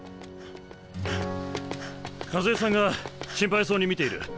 和枝さんが心配そうに見ている。